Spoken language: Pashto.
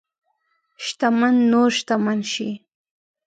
شتمن نور شتمن شي.